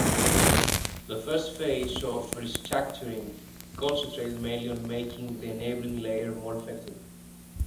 The first phase of restructuring concentrated mainly on making the enabling layer more effective.